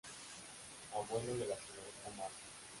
Abuelo de la señorita Marta.